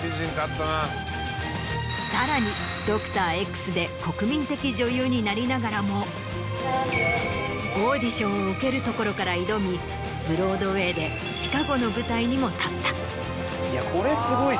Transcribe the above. さらに『ドクターＸ』で国民的女優になりながらもオーディションを受けるところから挑みブロードウェイでシカゴの舞台にも立った。